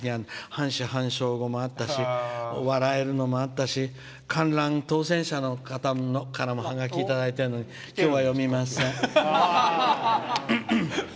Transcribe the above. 半死半生語もあったし笑えるのもあったし観覧、当せん者の方からもハガキをいただいたのに今日は、読みません。